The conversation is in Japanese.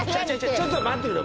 ちょっと待ってくれ。